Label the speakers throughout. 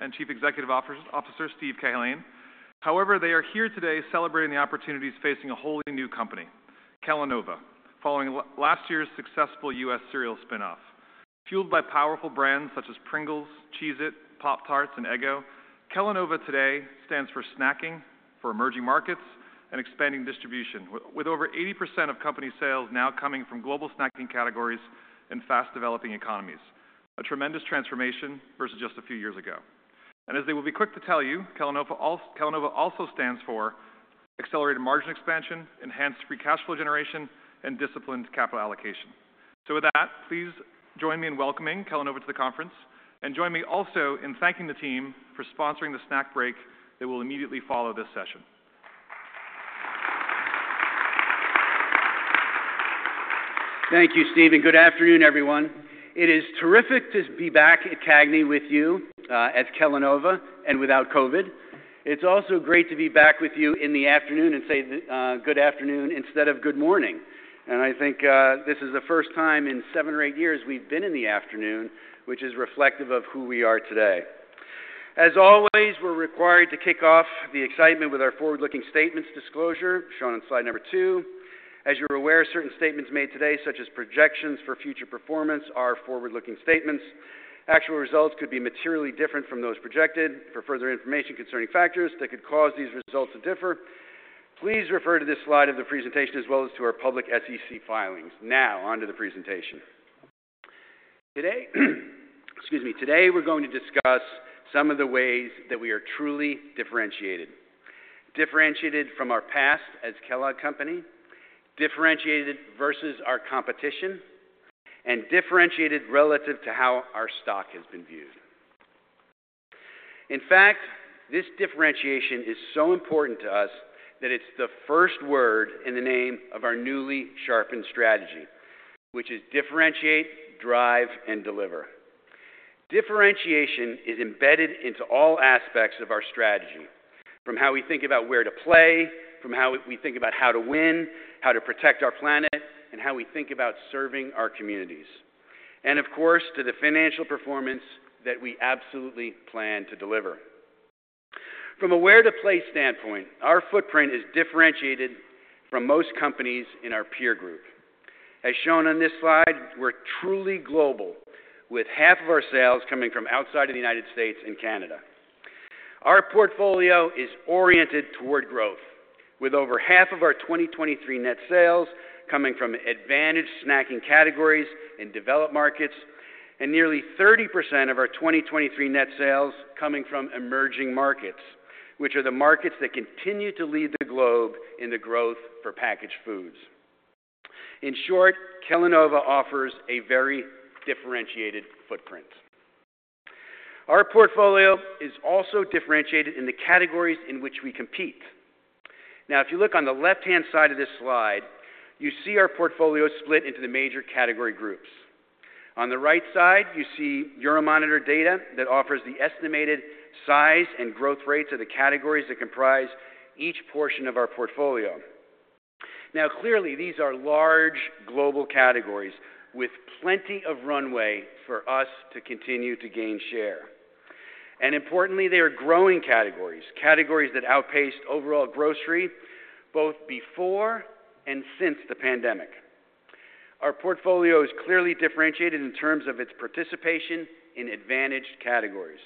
Speaker 1: And Chief Executive Officer Steve Cahillane. However, they are here today celebrating the opportunities facing a wholly new company, Kellanova, following last year's successful U.S. cereal spinoff. Fueled by powerful brands such as Pringles, Cheez-It, Pop-Tarts, and Eggo, Kellanova today stands for snacking, for emerging markets, and expanding distribution, with over 80% of company sales now coming from global snacking categories in fast-developing economies, a tremendous transformation versus just a few years ago. And as they will be quick to tell you, Kellanova also stands for accelerated margin expansion, enhanced free cash flow generation, and disciplined capital allocation. So with that, please join me in welcoming Kellanova to the conference, and join me also in thanking the team for sponsoring the snack break that will immediately follow this session.
Speaker 2: Thank you, Steve, and good afternoon, everyone. It is terrific to be back at CAGNY with you as Kellanova and without COVID. It's also great to be back with you in the afternoon and say good afternoon instead of good morning. I think this is the first time in seven or eight years we've been in the afternoon, which is reflective of who we are today. As always, we're required to kick off the excitement with our forward-looking statements disclosure shown on slide number 2. As you're aware, certain statements made today, such as projections for future performance, are forward-looking statements. Actual results could be materially different from those projected. For further information concerning factors that could cause these results to differ, please refer to this slide of the presentation as well as to our public SEC filings. Now, onto the presentation. me, today we're going to discuss some of the ways that we are truly differentiated: differentiated from our past as Kellogg Company, differentiated versus our competition, and differentiated relative to how our stock has been viewed. In fact, this differentiation is so important to us that it's the first word in the name of our newly sharpened strategy, which is differentiate, drive, and deliver. Differentiation is embedded into all aspects of our strategy, from how we think about where to play, from how we think about how to win, how to protect our planet, and how we think about serving our communities, and, of course, to the financial performance that we absolutely plan to deliver. From a where-to-play standpoint, our footprint is differentiated from most companies in our peer group. As shown on this slide, we're truly global, with half of our sales coming from outside of the United States and Canada. Our portfolio is oriented toward growth, with over half of our 2023 net sales coming from advantaged snacking categories in developed markets, and nearly 30% of our 2023 net sales coming from emerging markets, which are the markets that continue to lead the globe in the growth for packaged foods. In short, Kellanova offers a very differentiated footprint. Our portfolio is also differentiated in the categories in which we compete. Now, if you look on the left-hand side of this slide, you see our portfolio split into the major category groups. On the right side, you see Euromonitor data that offers the estimated size and growth rates of the categories that comprise each portion of our portfolio. Now, clearly, these are large, global categories with plenty of runway for us to continue to gain share. And importantly, they are growing categories, categories that outpaced overall grocery both before and since the pandemic. Our portfolio is clearly differentiated in terms of its participation in advantaged categories.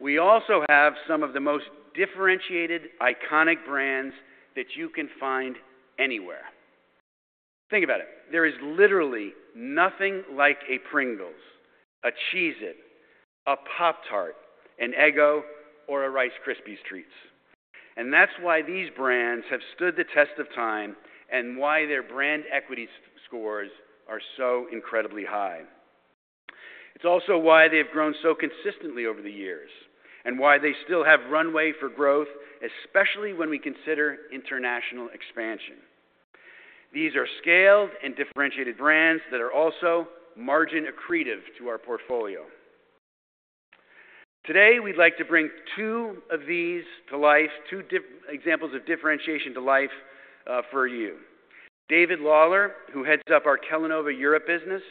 Speaker 2: We also have some of the most differentiated iconic brands that you can find anywhere. Think about it: there is literally nothing like a Pringles, a Cheez-It, a Pop-Tart, an Eggo, or a Rice Krispies Treats. And that's why these brands have stood the test of time and why their brand equity scores are so incredibly high. It's also why they have grown so consistently over the years and why they still have runway for growth, especially when we consider international expansion. These are scaled and differentiated brands that are also margin-accretive to our portfolio. Today, we'd like to bring two of these to life, two examples of differentiation, to life for you. David Lawlor, who heads up our Kellanova Europe business,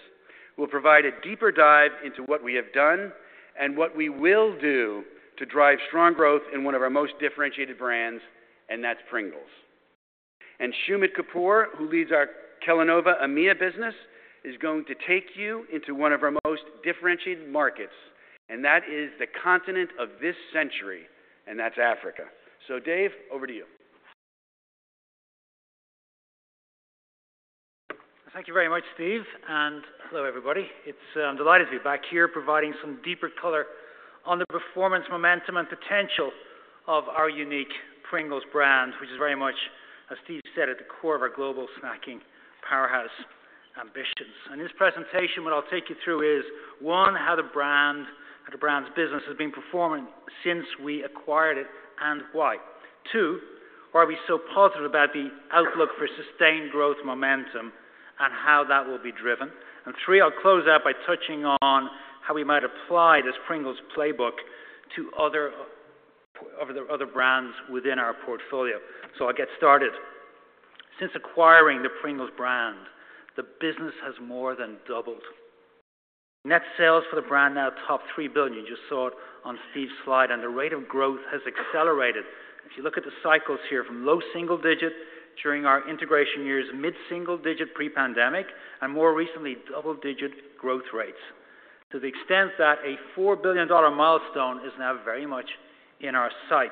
Speaker 2: will provide a deeper dive into what we have done and what we will do to drive strong growth in one of our most differentiated brands, and that's Pringles. Shumit Kapoor, who leads our Kellanova AMEA business, is going to take you into one of our most differentiated markets, and that is the continent of this century, and that's Africa. So, Dave, over to you.
Speaker 3: Thank you very much, Steve. Hello, everybody. It's a delight to be back here providing some deeper color on the performance, momentum, and potential of our unique Pringles brand, which is very much, as Steve said, at the core of our global snacking powerhouse ambitions. In this presentation, what I'll take you through is, one, how the brand, how the brand's business, has been performing since we acquired it and why. Two, why are we so positive about the outlook for sustained growth momentum and how that will be driven. Three, I'll close out by touching on how we might apply this Pringles playbook to other brands within our portfolio. I'll get started. Since acquiring the Pringles brand, the business has more than doubled. Net sales for the brand now top $3 billion. You just saw it on Steve's slide. The rate of growth has accelerated. If you look at the cycles here from low single-digit during our integration years, mid-single-digit pre-pandemic, and more recently, double-digit growth rates. To the extent that a $4 billion milestone is now very much in our sights.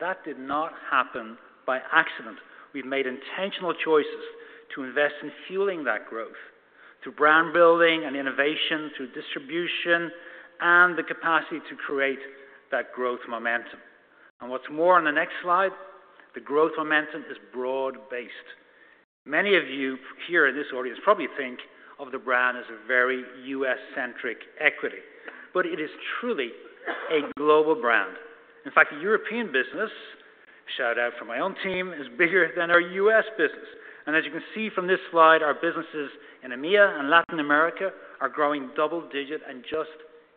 Speaker 3: That did not happen by accident. We've made intentional choices to invest in fueling that growth through brand building and innovation, through distribution, and the capacity to create that growth momentum. What's more on the next slide, the growth momentum is broad-based. Many of you here in this audience probably think of the brand as a very U.S.-centric equity. But it is truly a global brand. In fact, the European business, shoutout from my own team, is bigger than our U.S. business. As you can see from this slide, our businesses in AMEA and Latin America are growing double-digit and just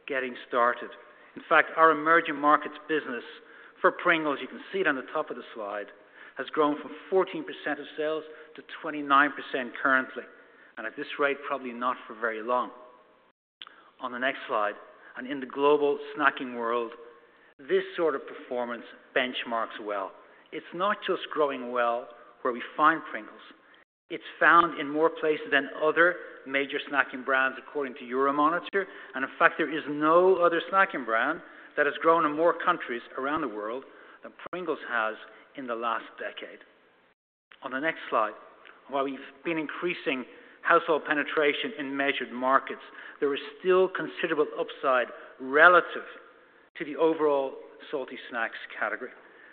Speaker 3: getting started. In fact, our emerging markets business for Pringles (you can see it on the top of the slide) has grown from 14% of sales to 29% currently, and at this rate, probably not for very long. On the next slide, and in the global snacking world, this sort of performance benchmarks well. It's not just growing well where we find Pringles. It's found in more places than other major snacking brands, according to Euromonitor. And in fact, there is no other snacking brand that has grown in more countries around the world than Pringles has in the last decade. On the next slide, while we've been increasing household penetration in measured markets, there is still considerable upside relative to the overall salty snacks category.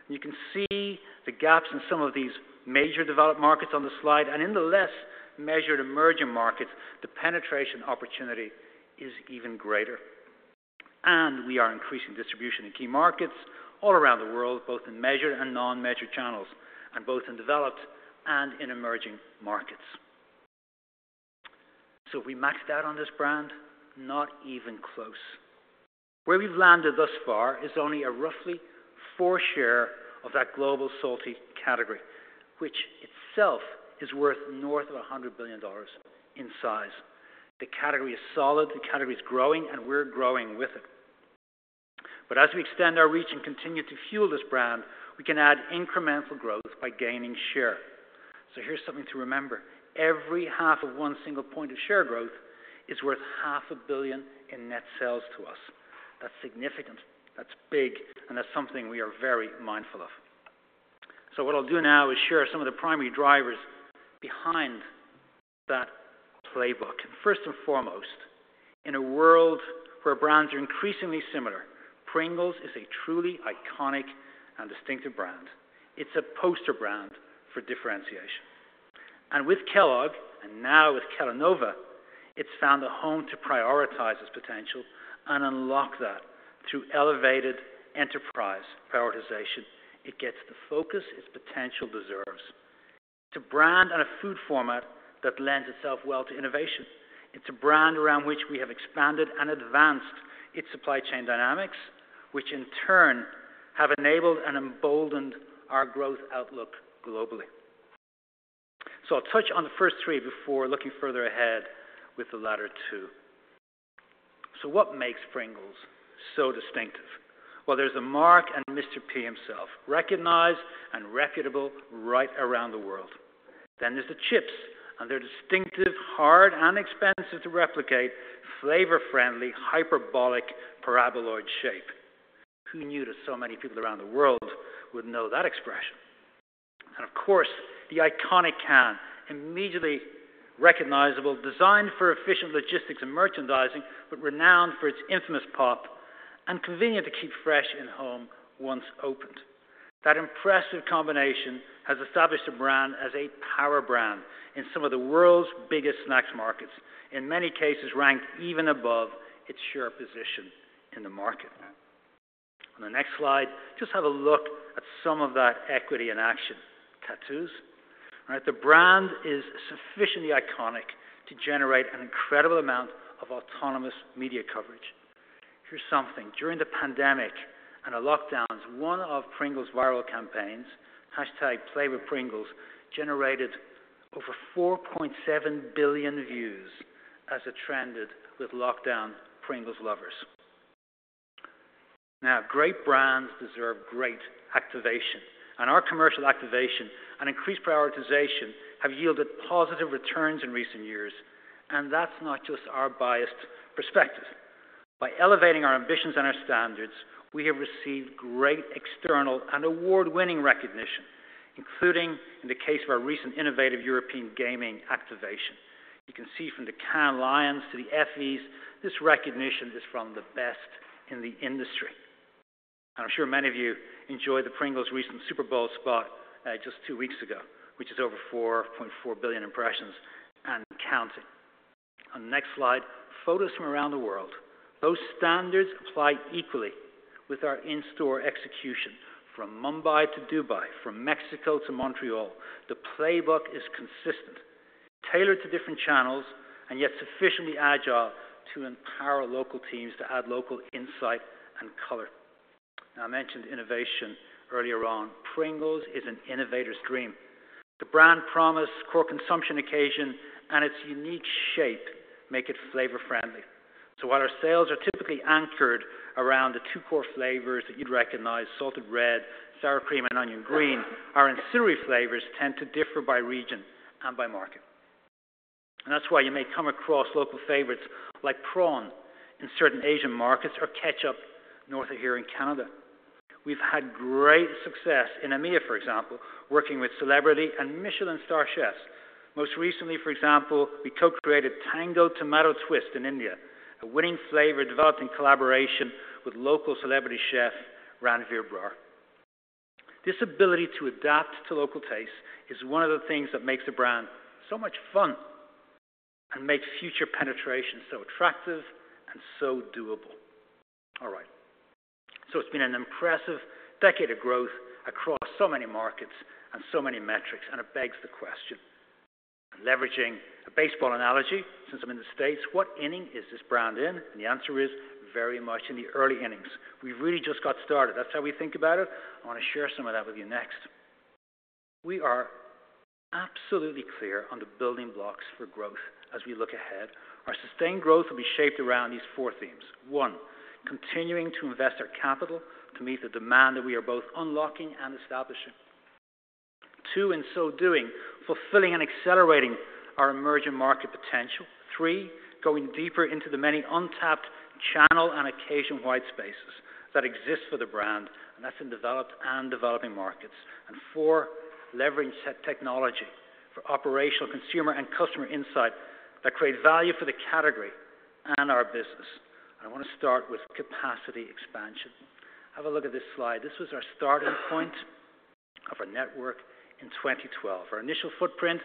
Speaker 3: You can see the gaps in some of these major developed markets on the slide. And in the less measured emerging markets, the penetration opportunity is even greater. We are increasing distribution in key markets all around the world, both in measured and non-measured channels, and both in developed and in emerging markets. So if we maxed out on this brand, not even close. Where we've landed thus far is only a roughly 4% share of that global salty category, which itself is worth north of $100 billion in size. The category is solid. The category's growing, and we're growing with it. But as we extend our reach and continue to fuel this brand, we can add incremental growth by gaining share. So here's something to remember: every half of one single point of share growth $500 million in net sales to us. That's significant. That's big. And that's something we are very mindful of. So what I'll do now is share some of the primary drivers behind that playbook. First and foremost, in a world where brands are increasingly similar, Pringles is a truly iconic and distinctive brand. It's a poster brand for differentiation. With Kellogg and now with Kellanova, it's found a home to prioritize its potential and unlock that through elevated enterprise prioritization. It gets the focus its potential deserves. It's a brand and a food format that lends itself well to innovation. It's a brand around which we have expanded and advanced its supply chain dynamics, which in turn have enabled and emboldened our growth outlook globally. I'll touch on the first three before looking further ahead with the latter two. What makes Pringles so distinctive? Well, there's the Mark and Mr. P himself, recognized and reputable right around the world. Then there's the chips and their distinctive, hard, and expensive-to-replicate, flavor-friendly, hyperbolic paraboloid shape. Who knew that so many people around the world would know that expression? And of course, the iconic can - immediately recognizable, designed for efficient logistics and merchandising, but renowned for its infamous pop and convenient to keep fresh in home once opened - that impressive combination has established the brand as a power brand in some of the world's biggest snacks markets, in many cases ranked even above its sure position in the market. On the next slide, just have a look at some of that equity in action - tattoos, right? The brand is sufficiently iconic to generate an incredible amount of autonomous media coverage. Here's something: during the pandemic and the lockdowns, one of Pringles' viral campaigns, #PlayWithPringles, generated over 4.7 billion views as it trended with lockdown Pringles lovers. Now, great brands deserve great activation. And our commercial activation and increased prioritization have yielded positive returns in recent years. That's not just our biased perspective. By elevating our ambitions and our standards, we have received great external and award-winning recognition, including in the case of our recent innovative European gaming activation. You can see from the Cannes Lions to the Effies this recognition is from the best in the industry. I'm sure many of you enjoyed the Pringles recent Super Bowl spot just two weeks ago, which is over 4.4 billion impressions and counting. On the next slide, photos from around the world. Those standards apply equally with our in-store execution. From Mumbai to Dubai, from Mexico to Montreal, the playbook is consistent, tailored to different channels, and yet sufficiently agile to empower local teams to add local insight and color. Now, I mentioned innovation earlier on. Pringles is an innovator's dream. The brand promise, core consumption occasion, and its unique shape make it flavor-friendly. So while our sales are typically anchored around the two core flavors that you'd recognize, salted red, sour cream, and onion green, our ancillary flavors tend to differ by region and by market. And that's why you may come across local favorites like prawn in certain Asian markets or ketchup north of here in Canada. We've had great success in AMEA, for example, working with celebrity and Michelin star chefs. Most recently, for example, we co-created Tango Tomato Twist in India, a winning flavor developed in collaboration with local celebrity chef Ranveer Brar. This ability to adapt to local tastes is one of the things that makes the brand so much fun and makes future penetration so attractive and so doable. All right. So it's been an impressive decade of growth across so many markets and so many metrics. It begs the question: leveraging a baseball analogy since I'm in the States, what inning is this brand in? And the answer is very much in the early innings. We've really just got started. That's how we think about it. I want to share some of that with you next. We are absolutely clear on the building blocks for growth as we look ahead. Our sustained growth will be shaped around these four themes: one, continuing to invest our capital to meet the demand that we are both unlocking and establishing. Two, in so doing, fulfilling and accelerating our emerging market potential. Three, going deeper into the many untapped channel and occasion white spaces that exist for the brand, and that's in developed and developing markets. And four, leveraging technology for operational consumer and customer insight that creates value for the category and our business. I want to start with capacity expansion. Have a look at this slide. This was our starting point of our network in 2012. Our initial footprint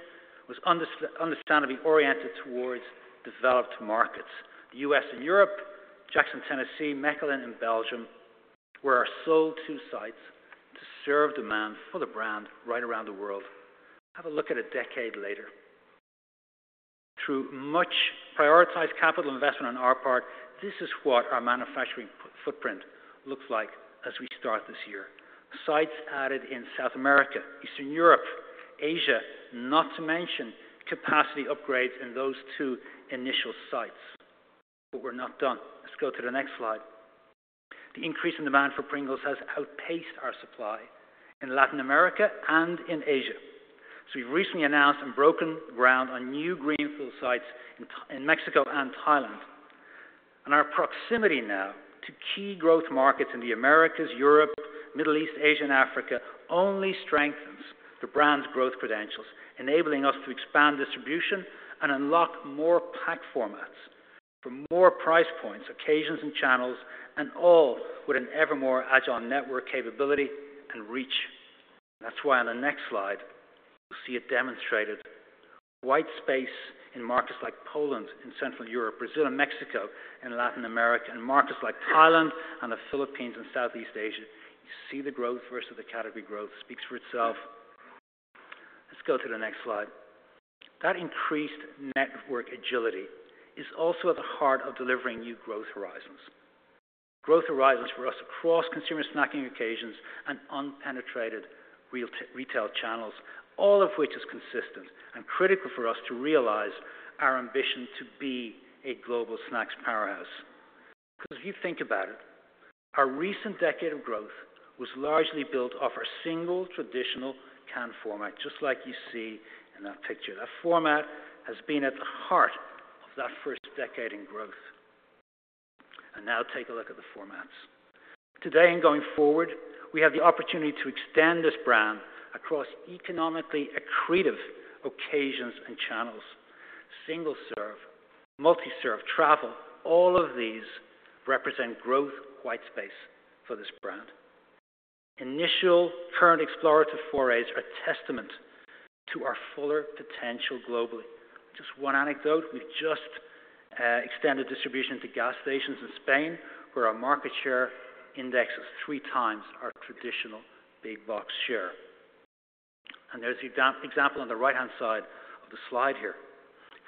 Speaker 3: was understandably oriented towards developed markets. The U.S. and Europe, Jackson, Tennessee, Mechelen, and Belgium were our sole two sites to serve demand for the brand right around the world. Have a look at a decade later. Through much prioritized capital investment on our part, this is what our manufacturing footprint looks like as we start this year: sites added in South America, Eastern Europe, Asia, not to mention capacity upgrades in those two initial sites. We're not done. Let's go to the next slide. The increase in demand for Pringles has outpaced our supply in Latin America and in Asia. We've recently announced and broken ground on new greenfield sites in Mexico and Thailand. Our proximity now to key growth markets in the Americas, Europe, Middle East, Asia, and Africa only strengthens the brand's growth credentials, enabling us to expand distribution and unlock more pack formats for more price points, occasions, and channels, and all with an evermore agile network capability and reach. That's why on the next slide, you'll see it demonstrated: white space in markets like Poland, in Central Europe, Brazil, and Mexico, in Latin America, and markets like Thailand and the Philippines and Southeast Asia. You see the growth versus the category growth speaks for itself. Let's go to the next slide. That increased network agility is also at the heart of delivering new growth horizons. Growth horizons for us across consumer snacking occasions and unpenetrated retail channels, all of which is consistent and critical for us to realize our ambition to be a global snacks powerhouse. Because if you think about it, our recent decade of growth was largely built off our single traditional can format, just like you see in that picture. That format has been at the heart of that first decade in growth. Now take a look at the formats. Today and going forward, we have the opportunity to extend this brand across economically accretive occasions and channels: single serve, multi-serve, travel. All of these represent growth white space for this brand. Initial current explorative forays are a testament to our fuller potential globally. Just one anecdote: we've just extended distribution to gas stations in Spain, where our market share index is three times our traditional big-box share. There's the example on the right-hand side of the slide here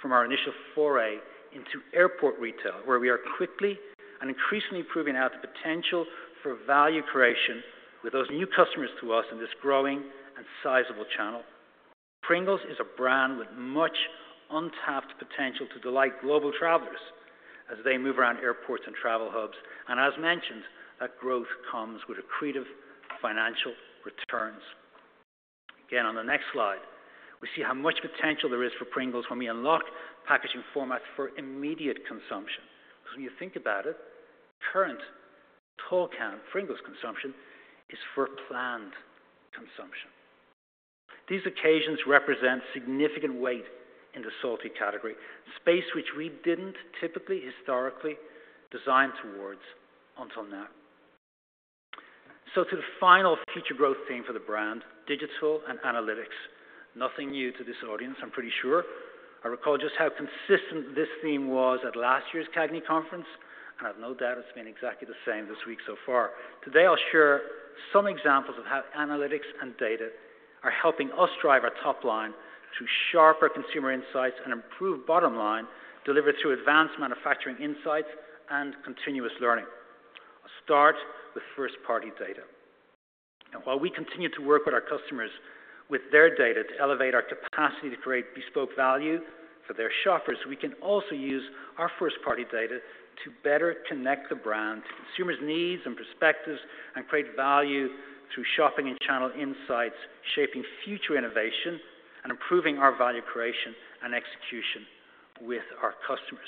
Speaker 3: from our initial foray into airport retail, where we are quickly and increasingly proving out the potential for value creation with those new customers to us in this growing and sizable channel. Pringles is a brand with much untapped potential to delight global travelers as they move around airports and travel hubs. And as mentioned, that growth comes with accretive financial returns. Again, on the next slide, we see how much potential there is for Pringles when we unlock packaging formats for immediate consumption. Because when you think about it, current tall can Pringles consumption is for planned consumption. These occasions represent significant weight in the salty category space which we didn't typically, historically, design towards until now. To the final future growth theme for the brand: digital and analytics. Nothing new to this audience, I'm pretty sure. I recall just how consistent this theme was at last year's CAGNY conference. I have no doubt it's been exactly the same this week so far. Today, I'll share some examples of how analytics and data are helping us drive our top line through sharper consumer insights and improved bottom line delivered through advanced manufacturing insights and continuous learning. I'll start with first-party data. While we continue to work with our customers with their data to elevate our capacity to create bespoke value for their shoppers, we can also use our first-party data to better connect the brand to consumers' needs and perspectives and create value through shopping and channel insights, shaping future innovation and improving our value creation and execution with our customers.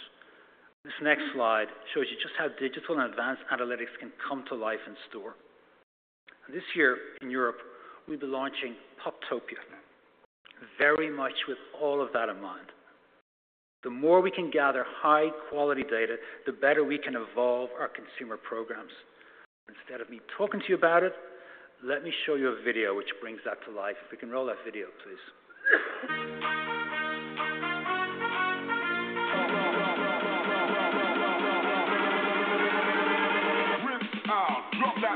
Speaker 3: This next slide shows you just how digital and advanced analytics can come to life in store. And this year in Europe, we'll be launching Poptopia, very much with all of that in mind. The more we can gather high-quality data, the better we can evolve our consumer programs. Instead of me talking to you about it, let me show you a video which brings that to life. If we can roll that video, please.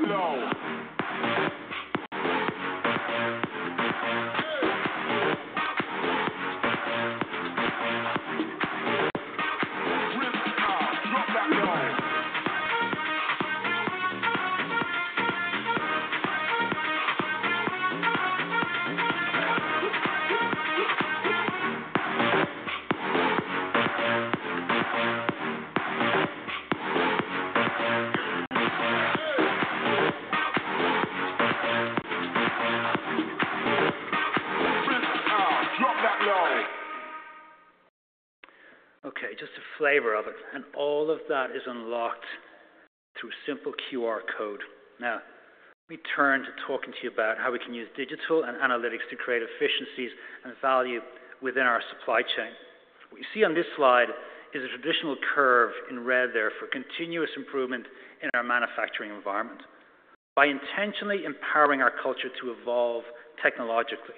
Speaker 3: Okay, just a flavor of it. And all of that is unlocked through a simple QR code. Now, let me turn to talking to you about how we can use digital and analytics to create efficiencies and value within our supply chain. What you see on this slide is a traditional curve in red there for continuous improvement in our manufacturing environment. By intentionally empowering our culture to evolve technologically,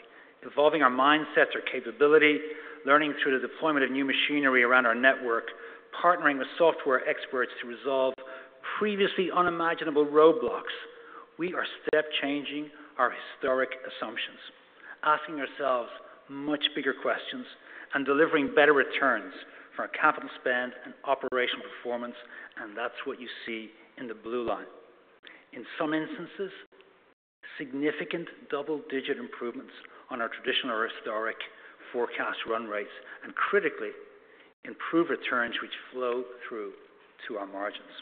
Speaker 3: evolving our mindsets or capability, learning through the deployment of new machinery around our network, partnering with software experts to resolve previously unimaginable roadblocks, we are step-changing our historic assumptions, asking ourselves much bigger questions, and delivering better returns for our capital spend and operational performance. And that's what you see in the blue line. In some instances, significant double-digit improvements on our traditional or historic forecast run rates and, critically, improved returns which flow through to our margins.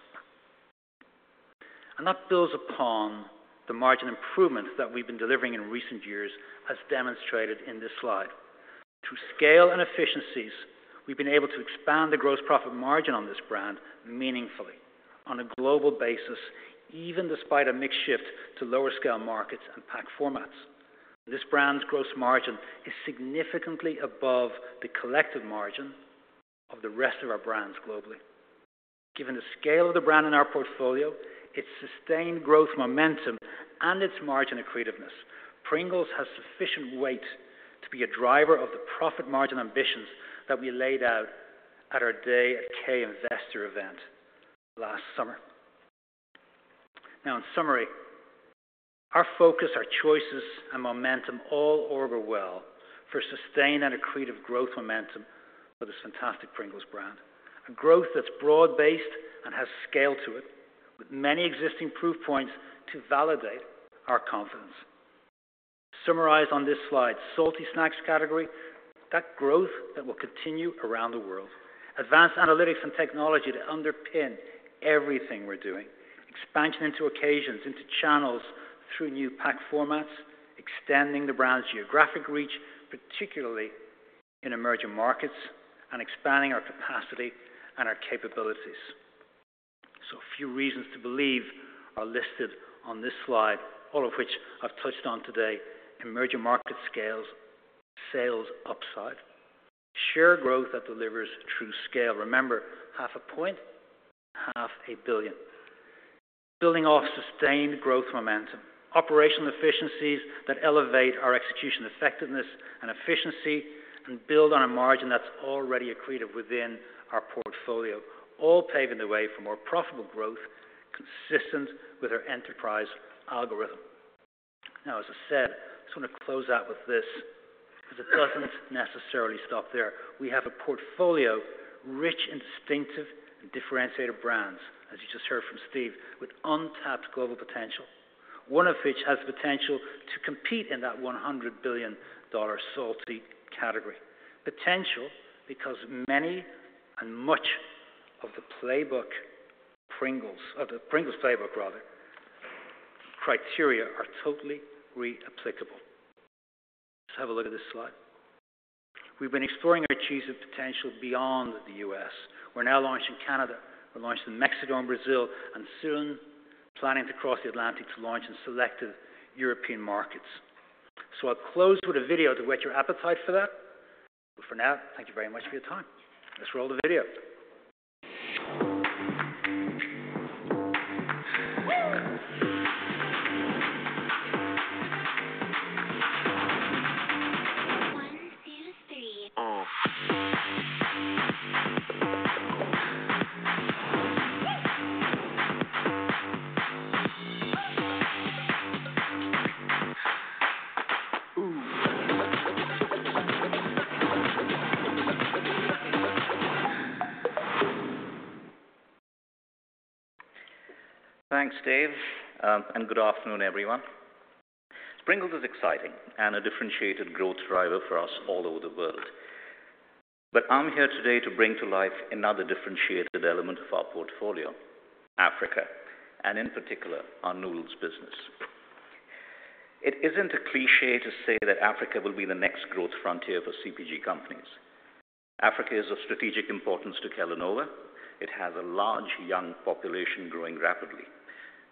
Speaker 3: And that builds upon the margin improvements that we've been delivering in recent years, as demonstrated in this slide. Through scale and efficiencies, we've been able to expand the gross profit margin on this brand meaningfully on a global basis, even despite a mixed shift to lower-scale markets and pack formats. This brand's gross margin is significantly above the collective margin of the rest of our brands globally. Given the scale of the brand in our portfolio, its sustained growth momentum, and its margin accretiveness, Pringles has sufficient weight to be a driver of the profit margin ambitions that we laid out at our day at CAGNY Investor event last summer. Now, in summary, our focus, our choices, and momentum all augur well for sustained and accretive growth momentum for this fantastic Pringles brand. A growth that's broad-based and has scale to it, with many existing proof points to validate our confidence. Summarized on this slide: salty snacks category, that growth that will continue around the world. Advanced analytics and technology to underpin everything we're doing. Expansion into occasions, into channels through new pack formats. Extending the brand's geographic reach, particularly in emerging markets. And expanding our capacity and our capabilities. A few reasons to believe are listed on this slide, all of which I've touched on today: emerging market scales, sales upside, sheer growth that delivers true scale. Remember, 0.5 point, $500 million. Building off sustained growth momentum, operational efficiencies that elevate our execution effectiveness and efficiency, and build on a margin that's already accretive within our portfolio, all paving the way for more profitable growth consistent with our enterprise algorithm. Now, as I said, I just want to close out with this because it doesn't necessarily stop there. We have a portfolio rich in distinctive and differentiated brands, as you just heard from Steve, with untapped global potential, one of which has the potential to compete in that $100 billion salty category. Potential because many and much of the playbook Pringles - of the Pringles playbook, rather - criteria are totally reapplicable. Let's have a look at this slide. We've been exploring our achievement potential beyond the U.S. We're now launching Canada. We're launching Mexico and Brazil, and soon planning to cross the Atlantic to launch in selected European markets. So I'll close with a video to whet your appetite for that. But for now, thank you very much for your time. Let's roll the video. 1. 2. 3.
Speaker 4: Thanks, Steve. Good afternoon, everyone. Pringles is exciting and a differentiated growth driver for us all over the world. But I'm here today to bring to life another differentiated element of our portfolio: Africa, and in particular, our noodles business. It isn't a cliché to say that Africa will be the next growth frontier for CPG companies. Africa is of strategic importance to Kellanova. It has a large young population growing rapidly.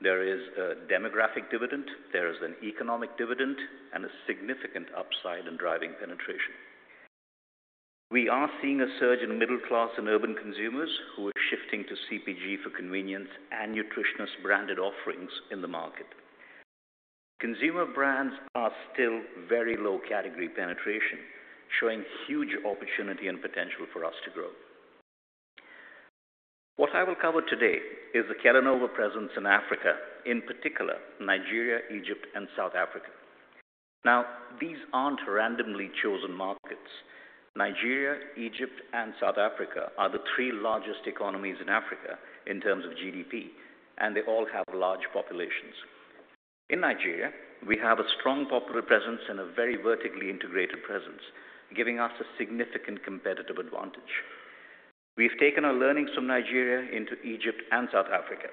Speaker 4: There is a demographic dividend. There is an economic dividend, and a significant upside in driving penetration. We are seeing a surge in middle-class and urban consumers who are shifting to CPG for convenience and nutritionist-branded offerings in the market. Consumer brands are still very low category penetration, showing huge opportunity and potential for us to grow. What I will cover today is the Kellanova presence in Africa, in particular, Nigeria, Egypt, and South Africa. Now, these aren't randomly chosen markets. Nigeria, Egypt, and South Africa are the three largest economies in Africa in terms of GDP, and they all have large populations. In Nigeria, we have a strong popular presence and a very vertically integrated presence, giving us a significant competitive advantage. We've taken our learnings from Nigeria into Egypt and South Africa.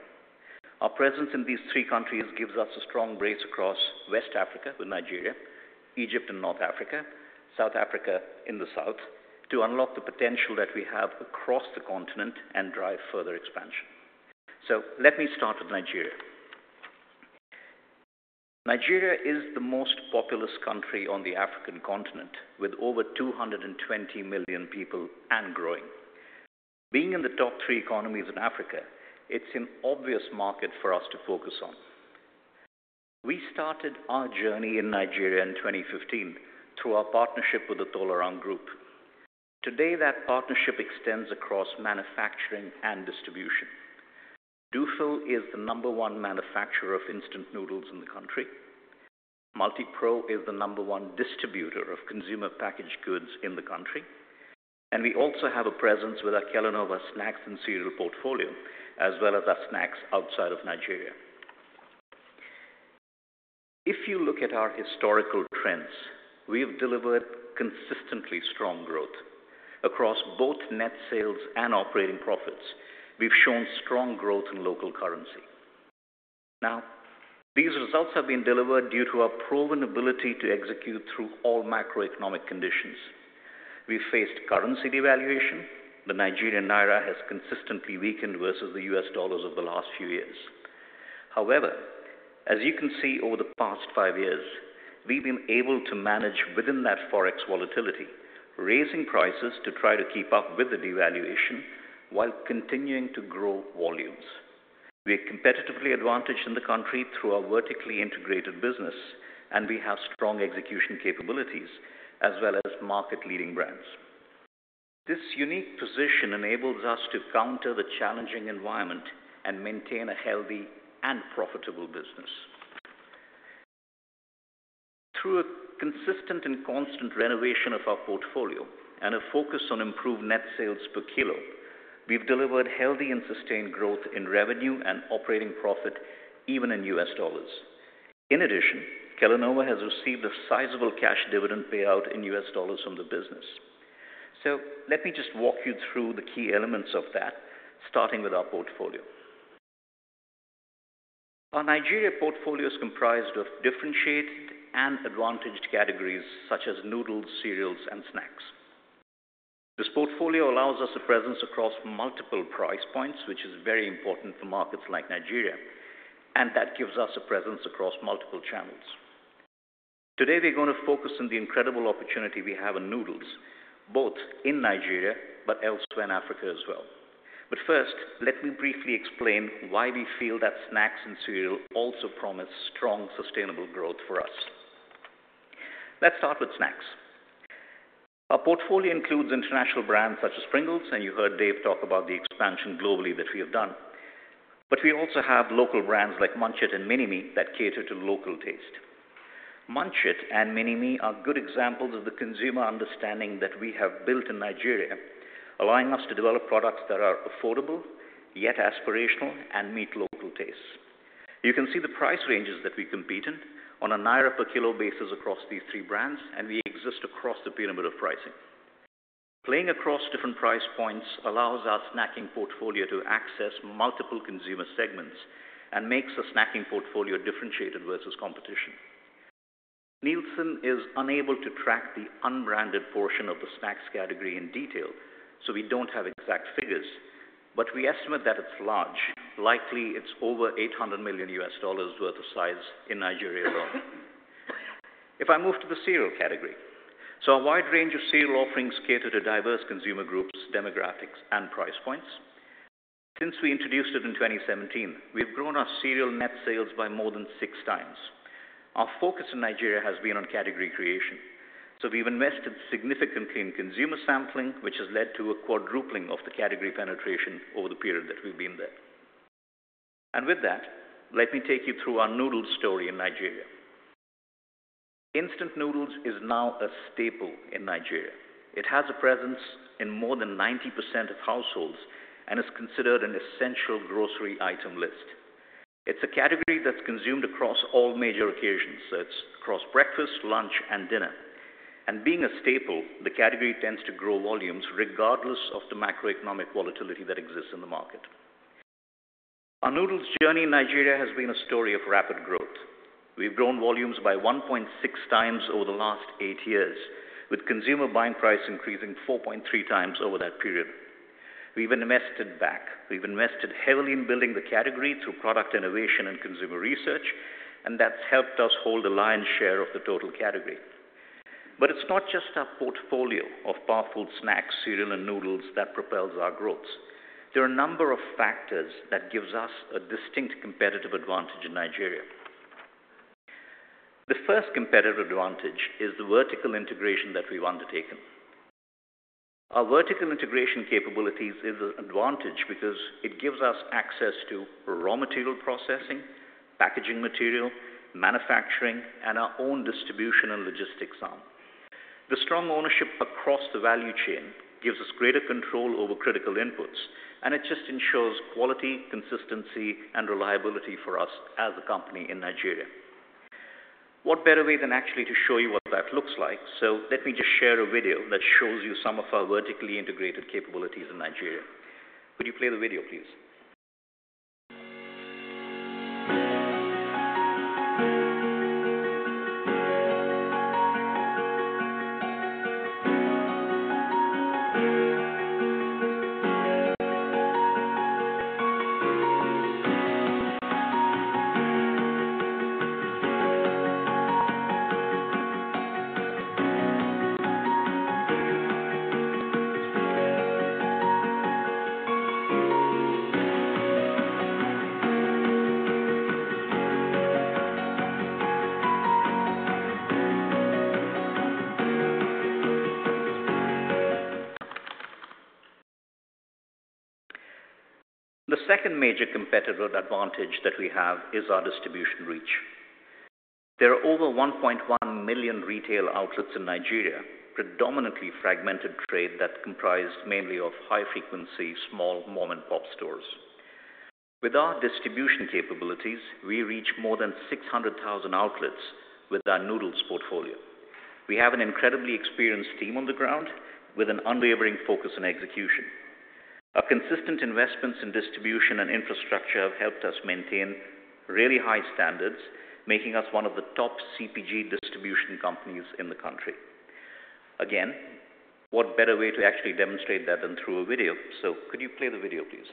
Speaker 4: Our presence in these three countries gives us a strong brace across West Africa with Nigeria, Egypt in North Africa, South Africa in the south, to unlock the potential that we have across the continent and drive further expansion. So let me start with Nigeria. Nigeria is the most populous country on the African continent, with over 220 million people and growing. Being in the top three economies in Africa, it's an obvious market for us to focus on. We started our journey in Nigeria in 2015 through our partnership with the Tolaram Group. Today, that partnership extends across manufacturing and distribution. Dufil is the number one manufacturer of instant noodles in the country. Multipro is the number one distributor of consumer packaged goods in the country. And we also have a presence with our Kellanova snacks and cereal portfolio, as well as our snacks outside of Nigeria. If you look at our historical trends, we have delivered consistently strong growth. Across both net sales and operating profits, we've shown strong growth in local currency. Now, these results have been delivered due to our proven ability to execute through all macroeconomic conditions. We've faced currency devaluation. The Nigerian naira has consistently weakened versus the U.S. dollars of the last few years. However, as you can see over the past 5 years, we've been able to manage within that forex volatility, raising prices to try to keep up with the devaluation while continuing to grow volumes. We are competitively advantaged in the country through our vertically integrated business, and we have strong execution capabilities as well as market-leading brands. This unique position enables us to counter the challenging environment and maintain a healthy and profitable business. Through a consistent and constant renovation of our portfolio and a focus on improved net sales per kilo, we've delivered healthy and sustained growth in revenue and operating profit, even in U.S. dollars. In addition, Kellanova has received a sizable cash dividend payout in U.S. dollars from the business. So let me just walk you through the key elements of that, starting with our portfolio. Our Nigeria portfolio is comprised of differentiated and advantaged categories such as noodles, cereals, and snacks. This portfolio allows us a presence across multiple price points, which is very important for markets like Nigeria. And that gives us a presence across multiple channels. Today, we're going to focus on the incredible opportunity we have in noodles, both in Nigeria but elsewhere in Africa as well. But first, let me briefly explain why we feel that snacks and cereal also promise strong, sustainable growth for us. Let's start with snacks. Our portfolio includes international brands such as Pringles, and you heard Dave talk about the expansion globally that we have done. But we also have local brands like Munch iT and Minime that cater to local taste. Munch iT and Minine are good examples of the consumer understanding that we have built in Nigeria, allowing us to develop products that are affordable, yet aspirational, and meet local tastes. You can see the price ranges that we compete in on a naira per kilo basis across these three brands, and we exist across the pyramid of pricing. Playing across different price points allows our snacking portfolio to access multiple consumer segments and makes a snacking portfolio differentiated versus competition. Nielsen is unable to track the unbranded portion of the snacks category in detail, so we don't have exact figures. But we estimate that it's large. Likely, it's over $800 million worth of size in Nigeria alone. If I move to the cereal category. So our wide range of cereal offerings cater to diverse consumer groups, demographics, and price points. Since we introduced it in 2017, we've grown our cereal net sales by more than 6 times. Our focus in Nigeria has been on category creation. So we've invested significantly in consumer sampling, which has led to a quadrupling of the category penetration over the period that we've been there. And with that, let me take you through our noodles story in Nigeria. Instant noodles is now a staple in Nigeria. It has a presence in more than 90% of households and is considered an essential grocery item list. It's a category that's consumed across all major occasions. So it's across breakfast, lunch, and dinner. Being a staple, the category tends to grow volumes regardless of the macroeconomic volatility that exists in the market. Our noodles journey in Nigeria has been a story of rapid growth. We've grown volumes by 1.6 times over the last eight years, with consumer buying price increasing 4.3 times over that period. We've invested back. We've invested heavily in building the category through product innovation and consumer research, and that's helped us hold a lion's share of the total category. But it's not just our portfolio of powerful snacks, cereal, and noodles that propels our growth. There are a number of factors that give us a distinct competitive advantage in Nigeria. The first competitive advantage is the vertical integration that we've undertaken. Our vertical integration capabilities is an advantage because it gives us access to raw material processing, packaging material, manufacturing, and our own distribution and logistics arm. The strong ownership across the value chain gives us greater control over critical inputs, and it just ensures quality, consistency, and reliability for us as a company in Nigeria. What better way than actually to show you what that looks like? So let me just share a video that shows you some of our vertically integrated capabilities in Nigeria. Could you play the video, please? The second major competitive advantage that we have is our distribution reach. There are over 1.1 million retail outlets in Nigeria, predominantly fragmented trade that comprised mainly of high-frequency, small Mom and Pop stores. With our distribution capabilities, we reach more than 600,000 outlets with our noodles portfolio. We have an incredibly experienced team on the ground with an unwavering focus on execution. Our consistent investments in distribution and infrastructure have helped us maintain really high standards, making us one of the top CPG distribution companies in the country. Again, what better way to actually demonstrate that than through a video? So could you play the video, please?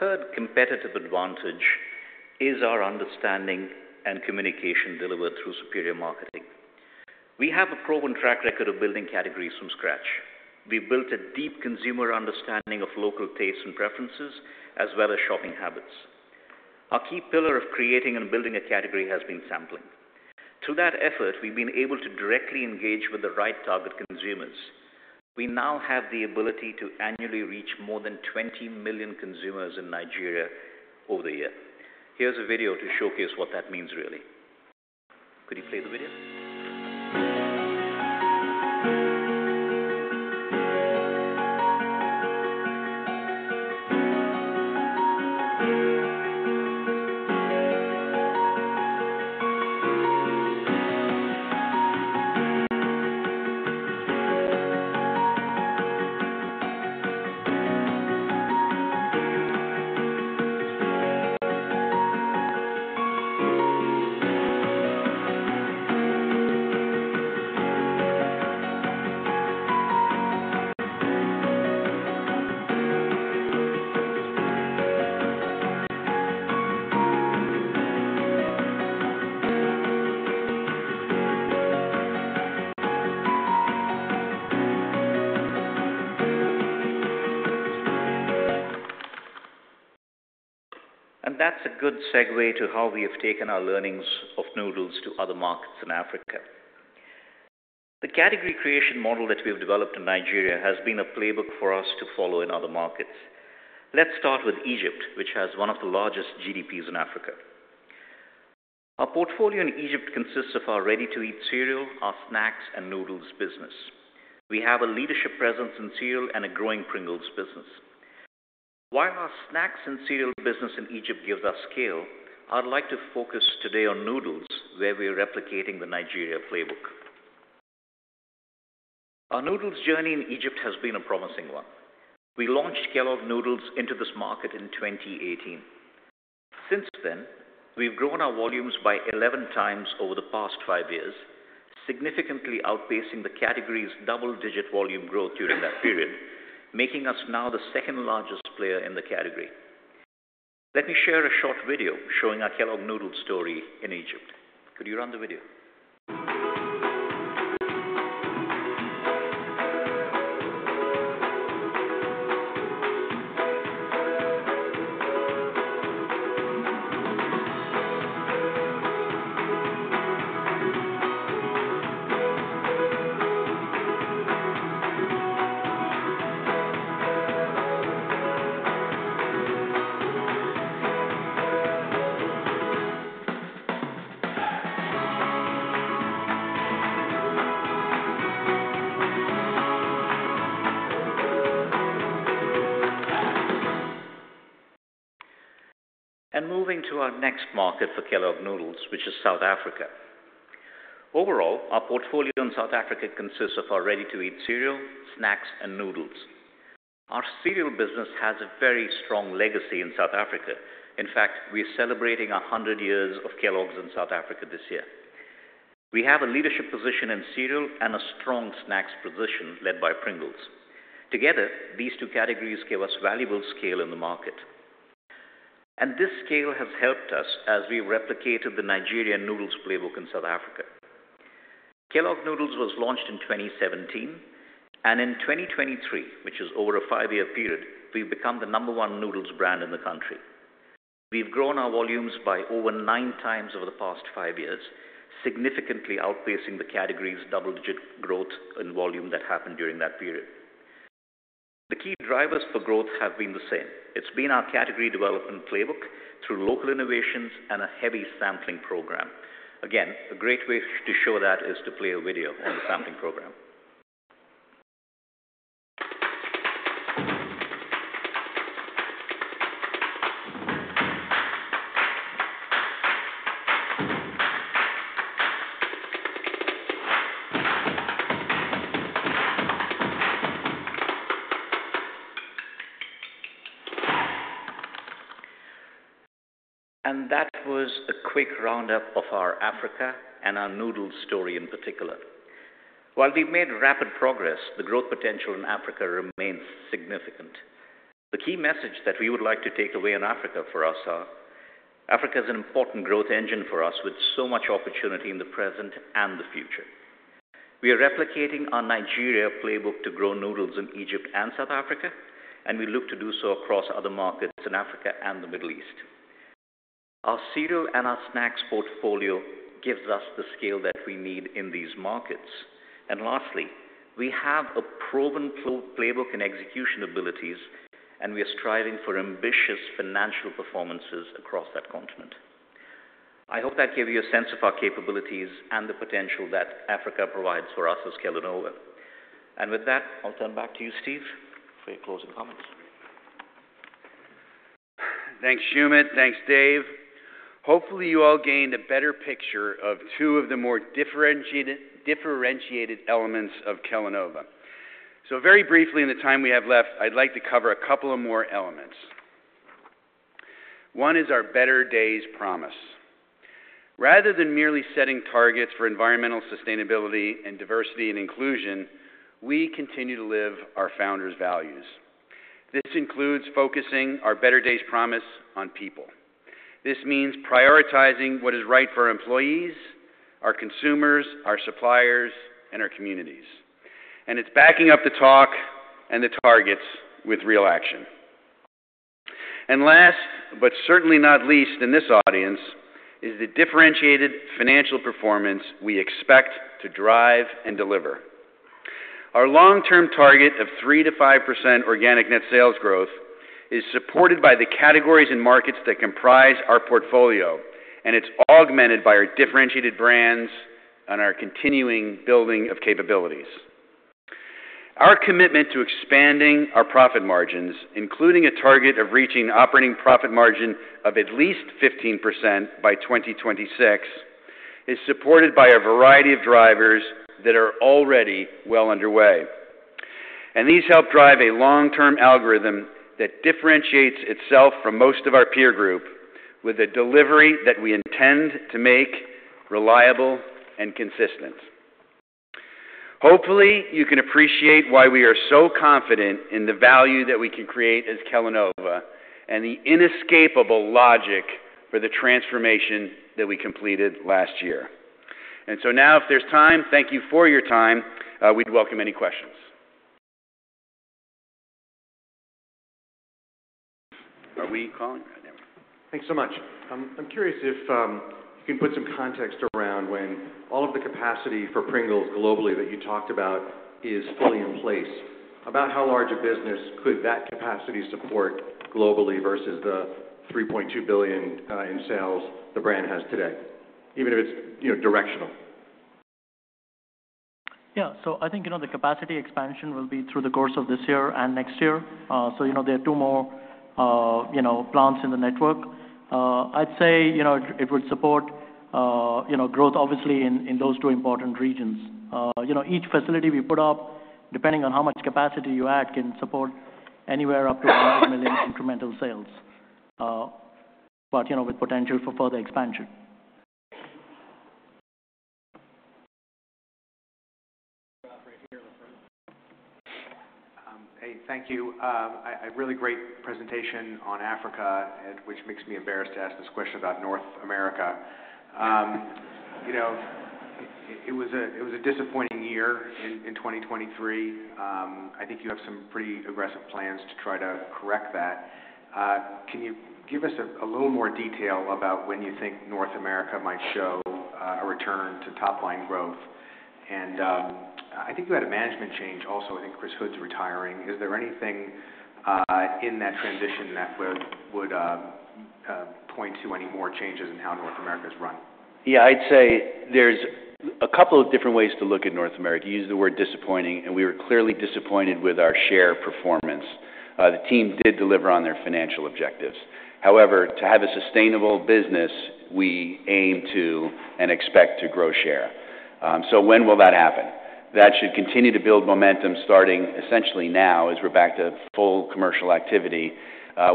Speaker 4: Our third competitive advantage is our understanding and communication delivered through superior marketing. We have a proven track record of building categories from scratch. We've built a deep consumer understanding of local tastes and preferences, as well as shopping habits. Our key pillar of creating and building a category has been sampling. Through that effort, we've been able to directly engage with the right target consumers. We now have the ability to annually reach more than 20 million consumers in Nigeria over the year. Here's a video to showcase what that means, really. Could you play the video? That's a good segue to how we have taken our learnings of noodles to other markets in Africa. The category creation model that we have developed in Nigeria has been a playbook for us to follow in other markets. Let's start with Egypt, which has one of the largest GDPs in Africa. Our portfolio in Egypt consists of our ready-to-eat cereal, our snacks, and noodles business. We have a leadership presence in cereal and a growing Pringles business. While our snacks and cereal business in Egypt gives us scale, I'd like to focus today on noodles, where we are replicating the Nigeria playbook. Our noodles journey in Egypt has been a promising one. We launched Kellogg's Noodles into this market in 2018. Since then, we've grown our volumes by 11 times over the past five years, significantly outpacing the category's double-digit volume growth during that period, making us now the second-largest player in the category. Let me share a short video showing our Kellogg's Noodles story in Egypt. Could you run the video? Moving to our next market for Kellogg's Noodles, which is South Africa. Overall, our portfolio in South Africa consists of our ready-to-eat cereal, snacks, and noodles. Our cereal business has a very strong legacy in South Africa. In fact, we are celebrating 100 years of Kellogg's in South Africa this year. We have a leadership position in cereal and a strong snacks position led by Pringles. Together, these two categories give us valuable scale in the market. This scale has helped us as we've replicated the Nigerian noodles playbook in South Africa. Kellogg's Noodles was launched in 2017. In 2023, which is over a five-year period, we've become the number one noodles brand in the country. We've grown our volumes by over nine times over the past five years, significantly outpacing the category's double-digit growth in volume that happened during that period. The key drivers for growth have been the same. It's been our category development playbook through local innovations and a heavy sampling program. Again, a great way to show that is to play a video on the sampling program. That was a quick roundup of our Africa and our noodles story in particular. While we've made rapid progress, the growth potential in Africa remains significant. The key message that we would like to take away in Africa for us is that Africa is an important growth engine for us with so much opportunity in the present and the future. We are replicating our Nigeria playbook to grow noodles in Egypt and South Africa, and we look to do so across other markets in Africa and the Middle East. Our cereal and our snacks portfolio gives us the scale that we need in these markets. And lastly, we have a proven playbook and execution abilities, and we are striving for ambitious financial performances across that continent. I hope that gave you a sense of our capabilities and the potential that Africa provides for us as Kellanova. And with that, I'll turn back to you, Steve, for your closing comments.
Speaker 2: Thanks, Shumit. Thanks, Dave. Hopefully, you all gained a better picture of two of the more differentiated elements of Kellanova. So very briefly, in the time we have left, I'd like to cover a couple of more elements. One is our Better Days Promise. Rather than merely setting targets for environmental sustainability and diversity and inclusion, we continue to live our founders' values. This includes focusing our Better Days Promise on people. This means prioritizing what is right for our employees, our consumers, our suppliers, and our communities. And it's backing up the talk and the targets with real action. And last but certainly not least in this audience is the differentiated financial performance we expect to drive and deliver. Our long-term target of 3%-5% organic net sales growth is supported by the categories and markets that comprise our portfolio, and it's augmented by our differentiated brands and our continuing building of capabilities. Our commitment to expanding our profit margins, including a target of reaching an operating profit margin of at least 15% by 2026, is supported by a variety of drivers that are already well underway. These help drive a long-term algorithm that differentiates itself from most of our peer group with a delivery that we intend to make reliable and consistent. Hopefully, you can appreciate why we are so confident in the value that we can create as Kellanova and the inescapable logic for the transformation that we completed last year. So now, if there's time, thank you for your time. We'd welcome any questions. Are we calling right now?
Speaker 5: Thanks so much. I'm curious if you can put some context around when all of the capacity for Pringles globally that you talked about is fully in place. About how large a business could that capacity support globally versus the $3.2 billion in sales the brand has today, even if it's directional?
Speaker 4: Yeah. So I think the capacity expansion will be through the course of this year and next year. So there are two more plants in the network. I'd say it would support growth, obviously, in those two important regions. Each facility we put up, depending on how much capacity you add, can support anywhere up to $100 million incremental sales, but with potential for further expansion.
Speaker 5: Hey, thank you. A really great presentation on Africa, which makes me embarrassed to ask this question about North America. It was a disappointing year in 2023. I think you have some pretty aggressive plans to try to correct that. Can you give us a little more detail about when you think North America might show a return to top-line growth? And I think you had a management change also. I think Chris Hood's retiring. Is there anything in that transition that would point to any more changes in how North America is run?
Speaker 2: Yeah. I'd say there's a couple of different ways to look at North America. You used the word disappointing, and we were clearly disappointed with our share performance. The team did deliver on their financial objectives. However, to have a sustainable business, we aim to and expect to grow share. So when will that happen? That should continue to build momentum starting essentially now as we're back to full commercial activity,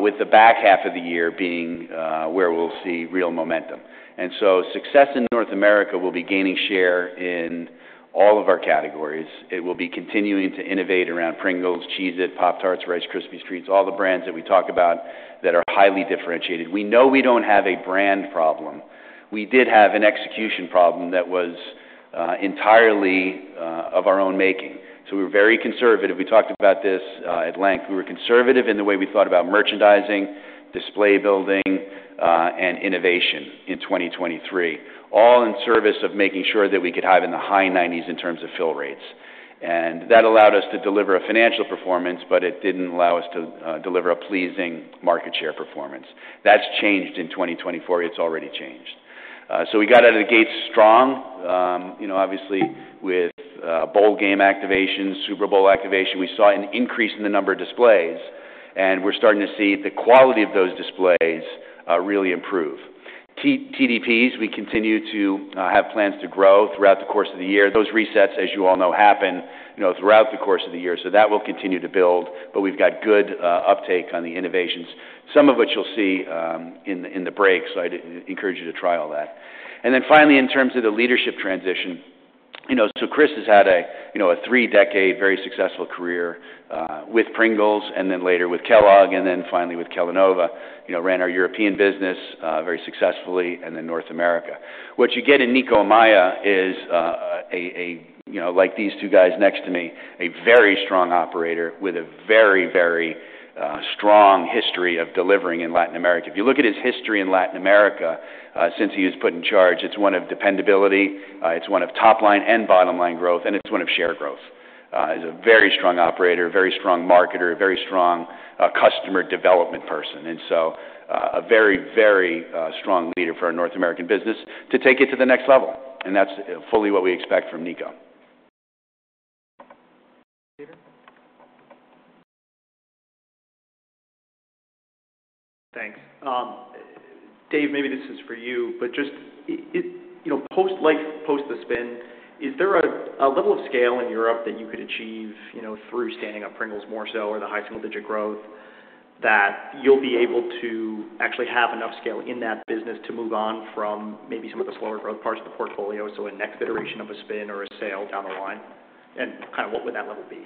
Speaker 2: with the back half of the year being where we'll see real momentum. So success in North America will be gaining share in all of our categories. It will be continuing to innovate around Pringles, Cheez-It, Pop-Tarts, Rice Krispies Treats, all the brands that we talk about that are highly differentiated. We know we don't have a brand problem. We did have an execution problem that was entirely of our own making. So we were very conservative. We talked about this at length. We were conservative in the way we thought about merchandising, display building, and innovation in 2023, all in service of making sure that we could arrive in the high 90s in terms of fill rates. That allowed us to deliver a financial performance, but it didn't allow us to deliver a pleasing market share performance. That's changed in 2024. It's already changed. We got out of the gates strong. Obviously, with bowl game activation, Super Bowl activation, we saw an increase in the number of displays, and we're starting to see the quality of those displays really improve. TDPs, we continue to have plans to grow throughout the course of the year. Those resets, as you all know, happen throughout the course of the year. That will continue to build, but we've got good uptake on the innovations, some of which you'll see in the break. I'd encourage you to try all that. And then finally, in terms of the leadership transition, so Chris has had a three-decade, very successful career with Pringles and then later with Kellogg's and then finally with Kellanova, ran our European business very successfully, and then North America. What you get in Nico Amaya is, like these two guys next to me, a very strong operator with a very, very strong history of delivering in Latin America. If you look at his history in Latin America since he was put in charge, it's one of dependability. It's one of top-line and bottom-line growth, and it's one of share growth. He's a very strong operator, very strong marketer, very strong customer development person, and so a very, very strong leader for our North American business to take it to the next level. And that's fully what we expect from Nico. Peter?
Speaker 6: Thanks. Dave, maybe this is for you, but just post-life, post-the-spin, is there a level of scale in Europe that you could achieve through standing up Pringles more so or the high single-digit growth that you'll be able to actually have enough scale in that business to move on from maybe some of the slower growth parts of the portfolio, so a next iteration of a spin or a sale down the line? And kind of what would that level be?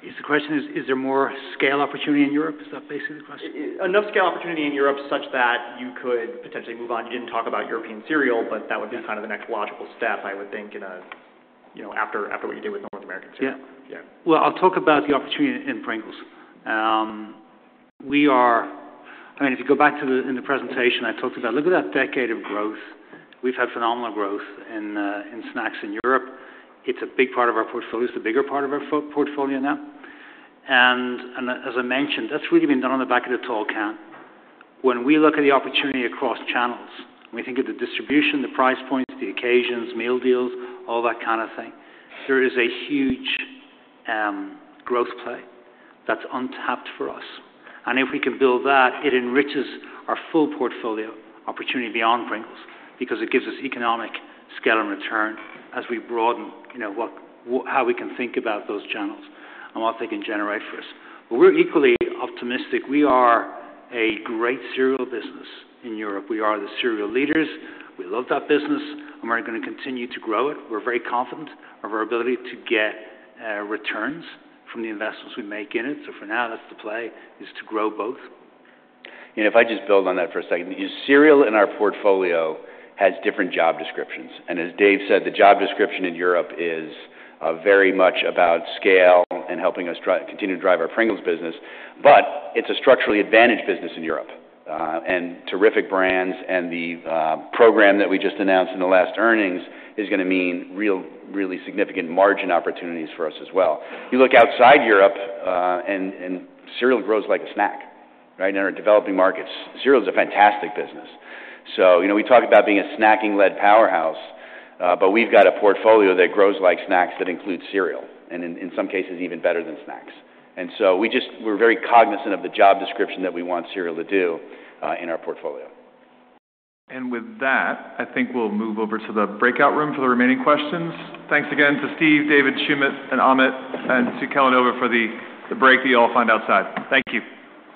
Speaker 6: So the question is, is there more scale opportunity in Europe? Is that basically the question? Enough scale opportunity in Europe such that you could potentially move on. You didn't talk about European cereal, but that would be kind of the next logical step, I would think, after what you did with North American cereal. Yeah.
Speaker 3: Well, I'll talk about the opportunity in Pringles. I mean, if you go back to the presentation, I talked about, "Look at that decade of growth. We've had phenomenal growth in snacks in Europe. It's a big part of our portfolio. It's the bigger part of our portfolio now." And as I mentioned, that's really been done on the back of the toll can. When we look at the opportunity across channels, when we think of the distribution, the price points, the occasions, meal deals, all that kind of thing, there is a huge growth play that's untapped for us. And if we can build that, it enriches our full portfolio opportunity beyond Pringles because it gives us economic scale and return as we broaden how we can think about those channels and what they can generate for us. But we're equally optimistic. We are a great cereal business in Europe. We are the cereal leaders. We love that business, and we're going to continue to grow it. We're very confident of our ability to get returns from the investments we make in it. So for now, that's the play, is to grow both.
Speaker 2: If I just build on that for a second, cereal in our portfolio has different job descriptions. As Dave said, the job description in Europe is very much about scale and helping us continue to drive our Pringles business. But it's a structurally advantaged business in Europe. And terrific brands and the program that we just announced in the last earnings is going to mean really significant margin opportunities for us as well. You look outside Europe, and cereal grows like a snack, right, in our developing markets. Cereal is a fantastic business. We talk about being a snacking-led powerhouse, but we've got a portfolio that grows like snacks that includes cereal and, in some cases, even better than snacks. So we're very cognizant of the job description that we want cereal to do in our portfolio.
Speaker 1: With that, I think we'll move over to the breakout room for the remaining questions. Thanks again to Steve, David, Shumit, and Amit, and to Kellanova for the break that you all find outside. Thank you.